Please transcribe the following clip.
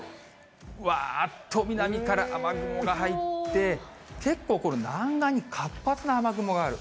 わーっと南から雨雲が入って、結構、この南岸に活発な雨雲がある。